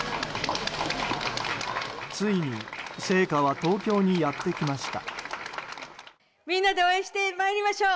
ついに聖火は東京にやってきました。